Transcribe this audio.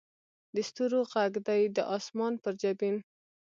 د ستورو ږغ دې د اسمان پر جبین